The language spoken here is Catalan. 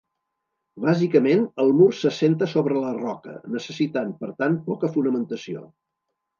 Bàsicament el mur s'assenta sobre la roca, necessitant, per tant, poca fonamentació.